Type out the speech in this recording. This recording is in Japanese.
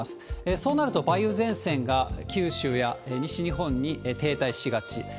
そうなると梅雨前線が九州や西日本に停滞しがち。